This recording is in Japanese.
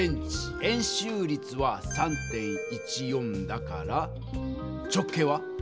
円周率は３．１４だから直径は？